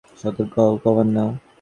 সতর্ক হও, কভার নাও!